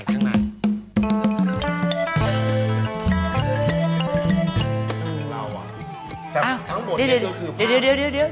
อืมอ้าวทั้งหมดนี่ก็คือภาพอ๋อเดี๋ยว